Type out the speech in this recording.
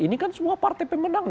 ini kan semua partai pemenang